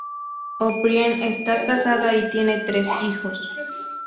O'Brien está casada y tiene tres hijos.